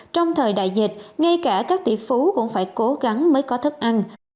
trong thời đại dịch ngay cả các tỷ phú cũng phải cố gắng mới có thức ăn